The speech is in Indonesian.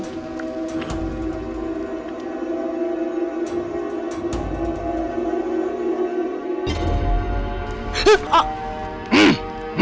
kita akan pocong juga